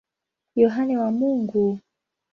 Yohane wa Mungu.